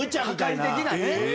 破壊的なね。